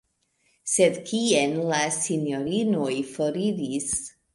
Sed kien la sinjorinoj foriris?